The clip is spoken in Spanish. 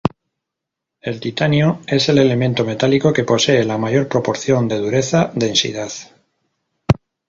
El titanio es el elemento metálico que posee la mayor proporción de dureza-densidad.